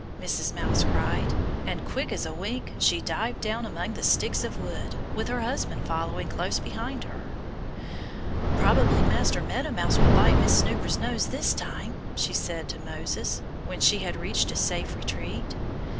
Mrs. Mouse cried. And quick as a wink she dived down among the sticks of wood, with her husband following close behind her. "Probably Master Meadow Mouse will bite Miss Snooper's nose this time," she said to Moses, when she had reached a safe retreat.